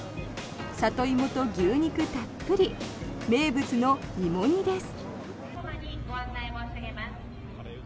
サトイモと牛肉たっぷり名物の芋煮です。